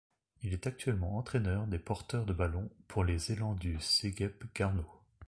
Il est actuellement entraîneur des porteurs de ballons pour les Élans du Cégep Garneau.